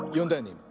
いま。